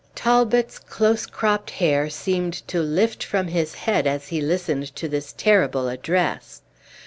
Talbot's close cropped hair seemed lifted from his head as he listened to this terrible address.